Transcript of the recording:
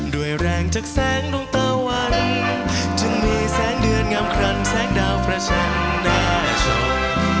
ด้วยแรงจากแสงดวงตาวันจึงมีแสงเดือนงามคลังแสงดาวประชันได้ชม